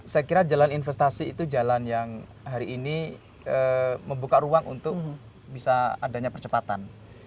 saya kira jalan investasi itu jalan yang hari ini membuka ruang untuk bisa adanya percepatan